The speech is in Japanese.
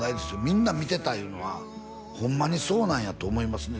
みんな見てたいうのはホンマにそうなんやと思いますね